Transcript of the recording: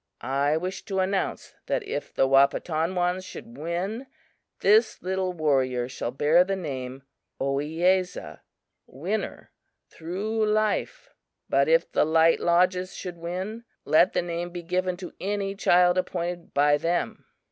I wish to announce that if the Wahpetonwans should win, this little warrior shall bear the name Ohiyesa (winner) through life; but if the Light Lodges should win, let the name be given to any child appointed by them."